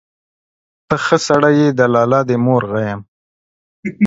ته ښه سړى يې، د لالا دي مور غيم.